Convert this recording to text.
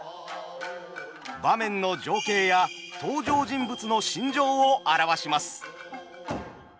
場面の情景や登場人物の心情を表します。